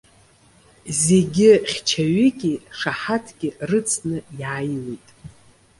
Зегьы, хьчаҩыки шаҳаҭки рыцны иааиуеит.